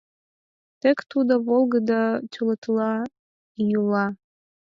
Тек тудо волгыдо тулотыла йӱла.